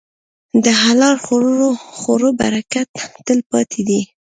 د حلال خوړو برکت تل پاتې دی.